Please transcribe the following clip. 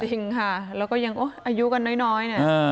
จริงค่ะแล้วก็ยังอายุกันน้อยเนี่ย